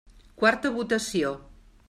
Quarta votació.